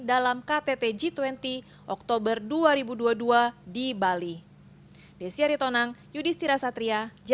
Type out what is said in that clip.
dalam ktt g dua puluh oktober dua ribu dua puluh dua di bali